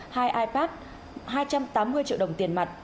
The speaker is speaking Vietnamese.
hai ipad hai trăm tám mươi triệu đồng tiền mặt